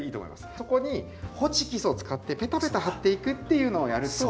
そこにホチキスを使ってペタペタはっていくっていうのをやると。